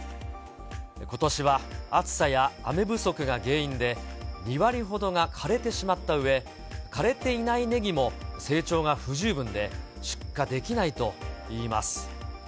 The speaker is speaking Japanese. ことしは暑さや雨不足が原因で、２割ほどが枯れてしまったうえ、枯れていないネギも、成長が不十分で出荷できないといいます。